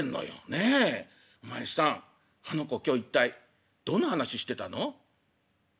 ねえお前さんあの子今日一体どんな話してたの？」。